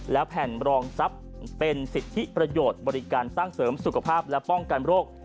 และแผ่นรองทรัพย์เป็นสิทธิประโยชน์บริการสร้างเสริมสุขภาพและป้องกันโรค